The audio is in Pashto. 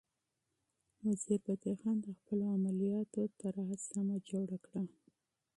وزیرفتح خان د خپلو عملیاتو پلان ترتیب کړ.